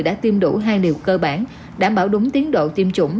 đã tiêm đủ hai liều cơ bản đảm bảo đúng tiến độ tiêm chủng